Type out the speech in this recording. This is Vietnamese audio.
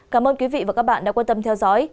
cảm ơn quý vị và các bạn đã quan tâm theo dõi